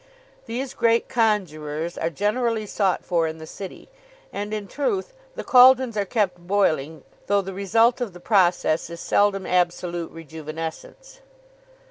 These great conjurors are generally sought for in the City; and in truth the cauldrons are kept boiling though the result of the process is seldom absolute rejuvenescence.